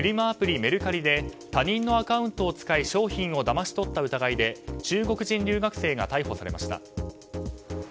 アプリ、メルカリで他人のアカウントを使い商品をだまし取った疑いで中国人留学生が逮捕されました。